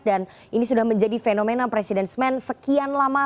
dan ini sudah menjadi fenomena presiden semen sekian lama